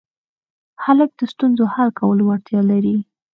هلک د ستونزو حل کولو وړتیا لري.